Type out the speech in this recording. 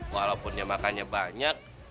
walaupun dia makannya banyak